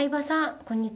こんにちは。